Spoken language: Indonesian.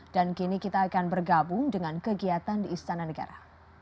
dan kini kita akan bergabung dengan kegiatan di istana negara